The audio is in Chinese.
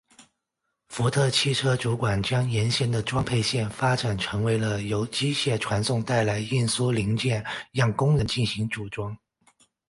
福特汽车主管将原先的装配线发展成为了由机械传送带来运输零件让工人进行组装。